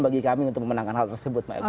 bagi kami untuk memenangkan hal tersebut